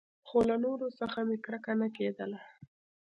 خو له نورو څخه مې کرکه نه کېدله.